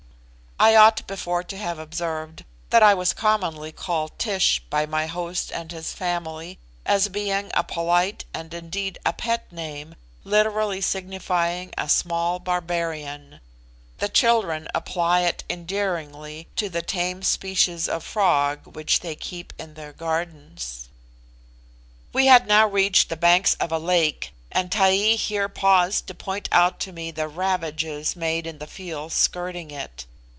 I ought before to have observed that I was commonly called Tish by my host and his family, as being a polite and indeed a pet name, literally signifying a small barbarian; the children apply it endearingly to the tame species of Frog which they keep in their gardens. We had now reached the banks of a lake, and Taee here paused to point out to me the ravages made in fields skirting it.